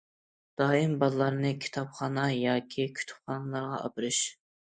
دائىم بالىلارنى كىتابخانا ياكى كۇتۇپخانىلارغا ئاپىرىش.